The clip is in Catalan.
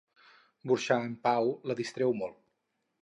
Burxar en Pau la distreu molt.